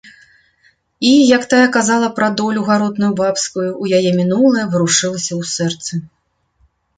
І, як тая казала пра долю гаротную бабскую, у яе мінулае варушылася ў сэрцы.